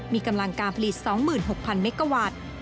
มีกำลังการผลิต๒๖๐๐เมกาวัตต์